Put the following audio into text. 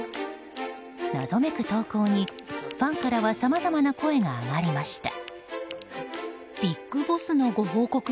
謎めく投稿にファンからはさまざまな声が上がりました。